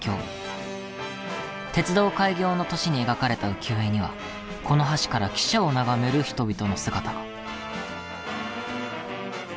鉄道開業の年に描かれた浮世絵にはこの橋から汽車を眺める人々の姿が。